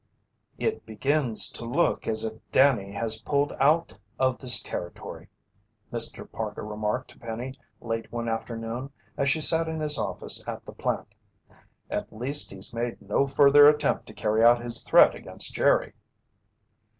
"It begins to look as if Danny has pulled out of this territory," Mr. Parker remarked to Penny late one afternoon as she sat in his office at the plant. "At least he's made no further attempt to carry out his threat against Jerry."